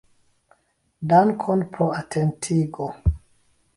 Dankon pro atentigo.